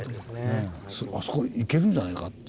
「あそこいけるんじゃないか」と。